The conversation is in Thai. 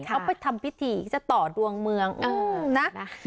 เขาไปทำพิธีจะต่อดวงเมืองนะ